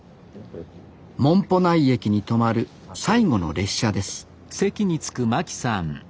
紋穂内駅に止まる最後の列車です